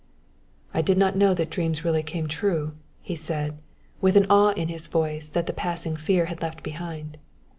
"I did not know that dreams really came true," he said, with an awe in his voice that the passing fear had left behind.